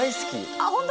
あっ本当？